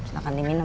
nih silakan diminum